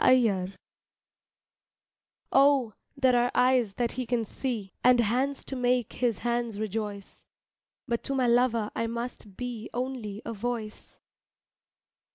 A CRY OH, there are eyes that he can see, And hands to make his hands rejoice, But to my lover I must be Only a voice.